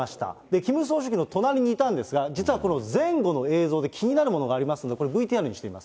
キム総書記の隣にいたんですが、実はこの前後の映像で気になるものがありますので、これ、ＶＴＲにしています。